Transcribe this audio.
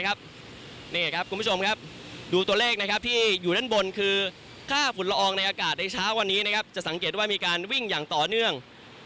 นี่ครับคุณผู้ชมครับดูตัวเลขที่อยู่ด้านบนคือค่าฝุ่นละอองในอากาศในเช้าวันนี้จะสังเกตว่ามีการวิ่งอย่างต่อเนื่อง